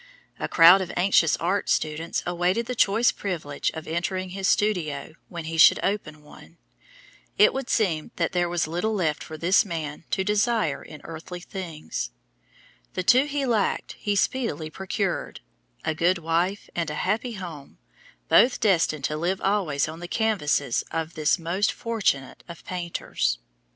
A crowd of anxious art students awaited the choice privilege of entering his studio when he should open one. It would seem that there was little left for this man to desire in earthly things. The two he lacked he speedily procured, a good wife and a happy home, both destined to live always on the canvasses of this most fortunate of painters.